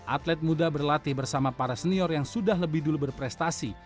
atlet muda berlatih bersama para senior yang sudah lebih dulu berprestasi